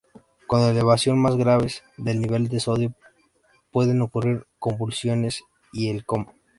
Con elevaciones más graves del nivel de sodio pueden ocurrir convulsiones y el coma.